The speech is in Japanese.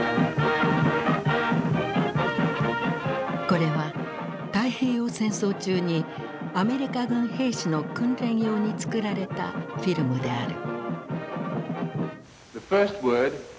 これは太平洋戦争中にアメリカ軍兵士の訓練用に作られたフィルムである。